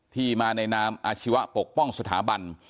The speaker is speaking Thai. ที่มาในนามอาชีวะปกป้องสถาบัน